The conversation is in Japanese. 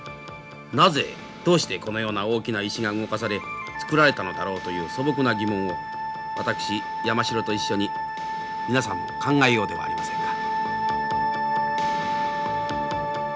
なぜどうしてこのような大きな石が動かされ造られたのだろうという素朴な疑問を私山城と一緒に皆さんも考えようではありませんか。